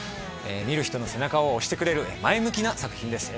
見る人の背中を押してくれる前向きな作品です